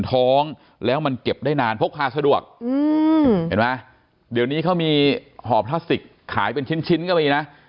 ท้องแล้วมันเก็บได้นานพกพาสะดวกเห็นไหมเดี๋ยวนี้เขามีห่อพลาสติกขายเป็นชิ้นก็มีนะ